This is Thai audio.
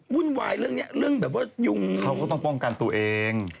เค้าก็ต้องป้องกันตัวเอง